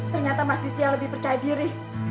ternyata mas ditya lebih percaya diri